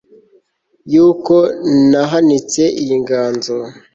y'uko ntahanitse iyi nganzo